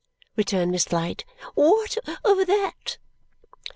returned Miss Flite. "What of that?"